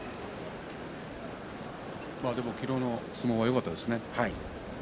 でも昨日の相撲はよかったですね。